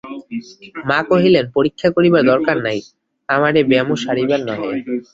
মা কহিলেন, পরীক্ষা করিবার দরকার নাই, আমার এ ব্যামো সারিবার নহে।